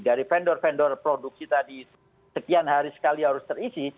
dari vendor vendor produksi tadi sekian hari sekali harus terisi